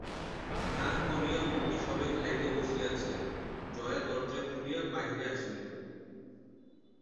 স্নান করিয়া মতি সবে খাইতে বসিয়াছে, জয়া দরজা খুলিয়া বাহিরে আসিল।